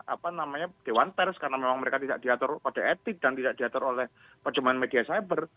apa namanya dewan pers karena memang mereka tidak diatur pada etik dan tidak diatur oleh percumaan media cyber